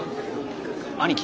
兄貴！